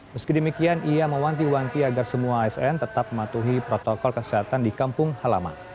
meski demikian ia mewanti wanti agar semua asn tetap mematuhi protokol kesehatan di kampung halaman